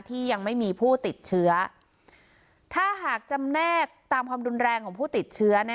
ยังไม่มีผู้ติดเชื้อถ้าหากจำแนกตามความรุนแรงของผู้ติดเชื้อ